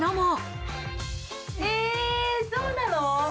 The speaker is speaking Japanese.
そうなの？